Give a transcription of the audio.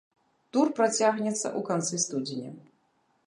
Тур працягнецца ў канцы студзеня.